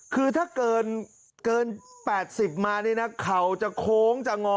คือถ้าเกิน๘๐มานี่นะเข่าจะโค้งจะงอ